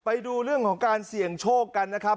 ไปดูเรื่องของการเสี่ยงโชคกันนะครับ